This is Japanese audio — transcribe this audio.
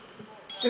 え？